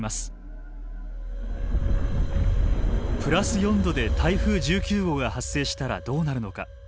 プラス４℃で台風１９号が発生したらどうなるのか。